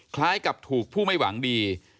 คล้ายกับถูกผู้ไม่หวังดี